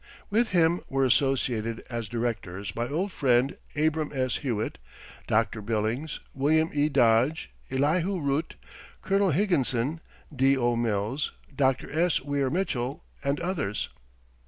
With him were associated as directors my old friend Abram S. Hewitt, Dr. Billings, William E. Dodge, Elihu Root, Colonel Higginson, D.O. Mills, Dr. S. Weir Mitchell, and others.